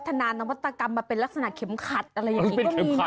จากติ๊กต๊อกที่ใช้ชื่อว่า